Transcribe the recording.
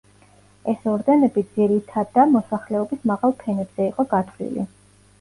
ეს ორდენები ძირითადა მოსახლეობის მაღალ ფენებზე იყო გათვლილი.